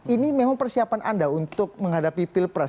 ini memang persiapan anda untuk menghadapi pilpres